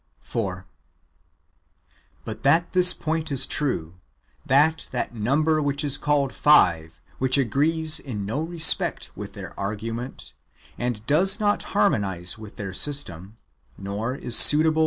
4. But that this point is true, that that number which is called five, which agrees in no respect with their argument, and does not harmonize with their system, nor is suitable for 1 Ex.